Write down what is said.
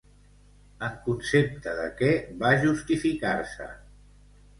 En concepte de què va justificar-se?